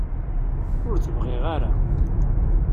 Ur t-bɣiɣ ara.